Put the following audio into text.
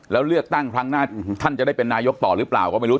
แล้วเลือกตั้งครั้งหน้าท่านจะได้เป็นนายกต่อหรือเปล่าก็ไม่รู้